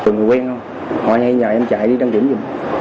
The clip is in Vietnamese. từ người quen không họ hay nhờ em chạy đi đăng kiểm dùm